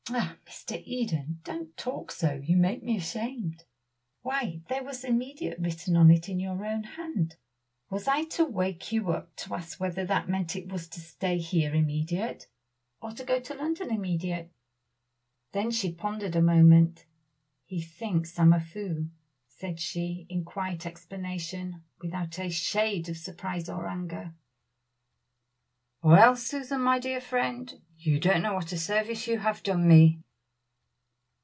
"La! Mr. Eden, don't talk so; you make me ashamed. Why, there was 'immediate' written on it in your own hand. Was I to wake you up to ask whether that meant it was to stay here immediate, or go to London immediate?" Then she pondered a moment. "He thinks I am a fool," said she, in quiet explanation, without a shade of surprise or anger. "Well! Susan, my dear friend, you don't know what a service you have done me!"